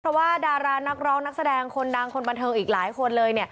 เพราะว่าดารานักร้องนักแสดงคนดังคนบันเทิงอีกหลายคนเลย